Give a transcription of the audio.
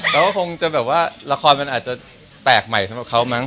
เราก็คงจะแบบว่าละครมันอาจจะแปลกใหม่สำหรับเขามั้ง